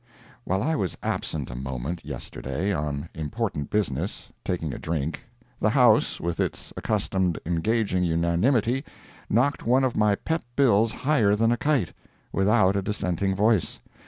[While I was absent a moment, yesterday, on important business, taking a drink, the House, with its accustomed engaging unanimity, knocked one of my pet bills higher than a kite, without a dissenting voice.